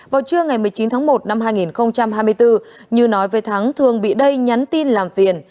vào trưa ngày một mươi chín tháng một năm hai nghìn hai mươi bốn như nói về thắng thường bị đây nhắn tin làm phiền